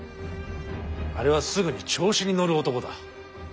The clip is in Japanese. あれはすぐに調子に乗る男だ。